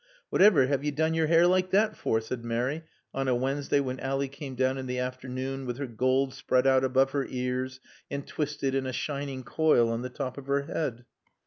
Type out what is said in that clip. "Whatever have you done your hair like that for?" said Mary on a Wednesday when Ally came down in the afternoon with her gold spread out above her ears and twisted in a shining coil on the top of her head.